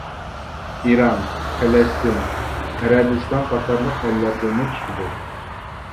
ئىران، پەلەستىن، ئەرەبىستان قاتارلىق ئەللەردىنمۇ چىقىدۇ.